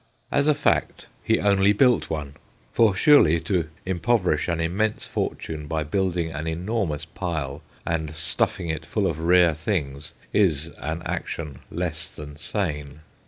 As a fact, he only built one for surely to impoverish an immense fortune by building an enormous FANNY BURNEY 235 pile and stuffing it full of rare things, is an action less than sane.